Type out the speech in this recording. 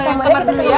sayang kamar dulu ya